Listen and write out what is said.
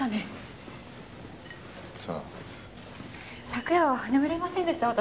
昨夜は眠れませんでした私。